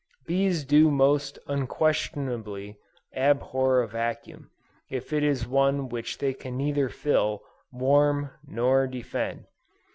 Bees do most unquestionably, "abhor a vacuum," if it is one which they can neither fill, warm nor defend.